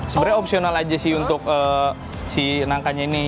sebenarnya opsional aja sih untuk si nangkanya ini